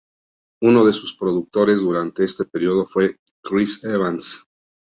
Uno de sus productores durante este periodo fue "Chris Evans".